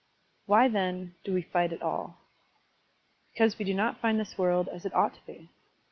Why, then, do we fight at all? . Because we do not find this world as it ought to be.